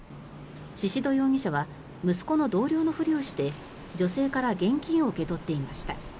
宍戸容疑者は息子の同僚のふりをして女性から現金を受け取っていました。